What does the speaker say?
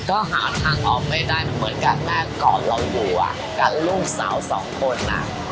ก็หาทางออกไม่ได้เหมือนกับแม่ก่อนเราอยู่กับลูกสาวสองคน